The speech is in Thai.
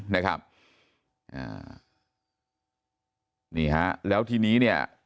นี่ฮะแล้วทีนี้เนี่ย